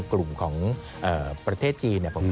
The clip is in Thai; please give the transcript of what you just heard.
กลุ่มของประเทศจีน